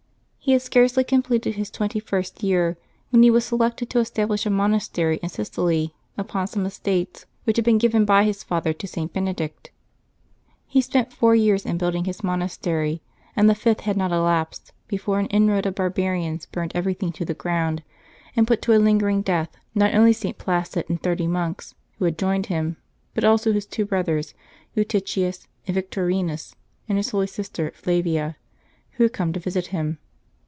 He had scarcely completed his twenty first year when he was selected to establish a monastery in Sicily upon some estates which had been given by his father to St. Benedict. He spent four years in building his monastery, and the fifth had not elapsed before an inroad of barbarians burned everything to the ground, and put to a lingering death not only St. Placid and thirty monks who had joined him, but also his tvv^o brothers, Eutychius and Victorinus, and his holy sister Flavia, who had come to visit him.